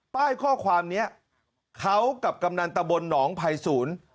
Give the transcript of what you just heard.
ป้ายข้อความนี้เขากับกำนันตะบนหนองภัยศูนย์